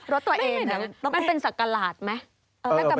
รถตัวเองมันเป็นสักกระหลาดไหม